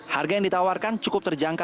harga yang ditawarkan cukup terjangkau